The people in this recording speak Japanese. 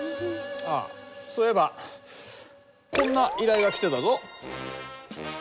あっそういえばこんな依頼が来てたぞ。